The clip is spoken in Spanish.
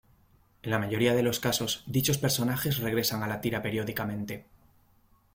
En la mayoría de los casos, dichos personajes regresan a la tira periódicamente.